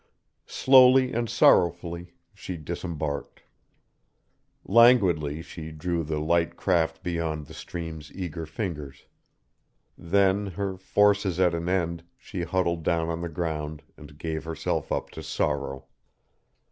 Slowly and sorrowfully she disembarked. Languidly she drew the light craft beyond the stream's eager fingers. Then, her forces at an end, she huddled down on the ground and gave herself up to sorrow.